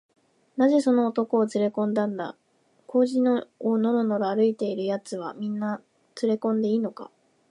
「なぜその男をつれこんだんだ？小路をのろのろ歩いているやつは、みんなつれこんでいいのか？」